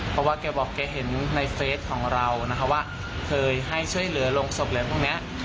เพราะว่าแกบอกแกเห็นในเฟสของเรานะคะว่าเคยให้ช่วยเหลือโรงศพอะไรพวกนี้